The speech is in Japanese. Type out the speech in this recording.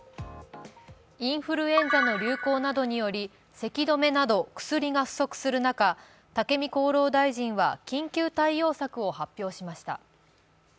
インフルエンザの流行などによるせき止めなど薬が不足する中武見厚労大臣は緊急対応策を発表しました。